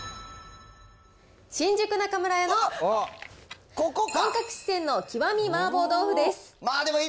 新宿中村屋の本格四川の極み麻婆豆腐です。